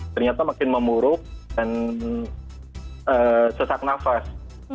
ternyata makin memburuk dan sesak nafas